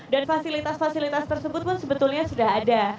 dan fasilitas fasilitas tersebut pun sebetulnya sudah ada